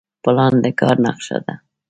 پلان د کار نقشه ده